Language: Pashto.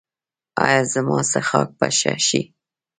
ایا زما څښاک به ښه شي؟